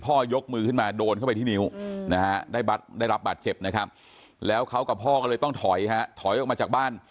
ยกมือขึ้นมาโดนเข้าไปที่นิ้วนะฮะได้รับบาดเจ็บนะครับแล้วเขากับพ่อก็เลยต้องถอยฮะถอยออกมาจากบ้าน